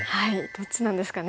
どっちなんですかね。